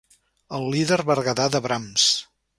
El líder berguedà de Brams.